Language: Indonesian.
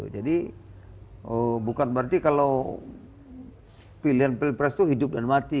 jadi bukan berarti kalau pilihan pilpres itu hidup dan mati